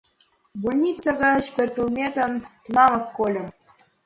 Больница гыч пӧртылметым тунамак кольым.